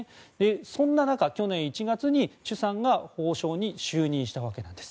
そんな中、去年１月にチュさんが法相に就任したわけなんです。